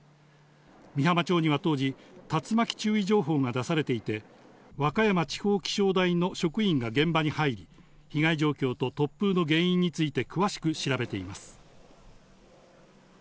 美浜町には当時、竜巻注意情報が出されていて、和歌山地方気象台の職員が現場に入り、被害状況と突風の原因について詳しく調べています。